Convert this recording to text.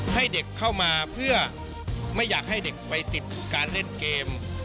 ให้เด็กเข้ามาเพื่อไม่อยากให้เด็กไปติดการเล่นเกม